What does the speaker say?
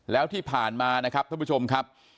แล้วที่ผ่านมานะครับท่านผู้ชมครับ